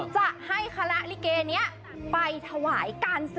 ขอให้หลานสอบติดที่อังกฤษ